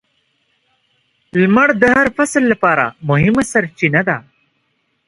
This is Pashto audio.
• لمر د هر فصل لپاره مهمه سرچینه ده.